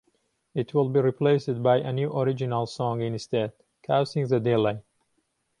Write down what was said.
It will be replaced by a new original song instead, causing the delay.